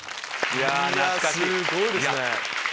いやすごいですね。